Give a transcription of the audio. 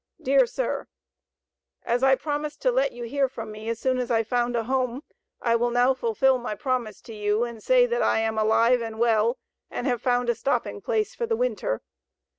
DEAR SIR: As I promised to let you hear from me as soon as I found a home, I will now fulfill my promise to you and say that I am alive and well and have found a stopping place for the winter.